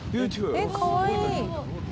えっかわいい。